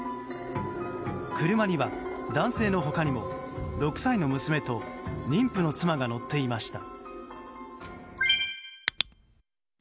車には、男性の他にも６歳の娘と妊婦の妻が乗っていました。